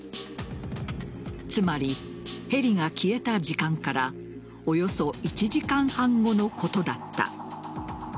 つまり、ヘリが消えた時間からおよそ１時間半後のことだった。